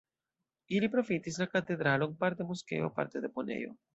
Ili profitis la katedralon parte moskeo, parte deponejo.